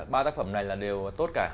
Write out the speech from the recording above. ba tác phẩm này là đều tốt cả